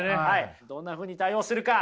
どんなふうに対応するか。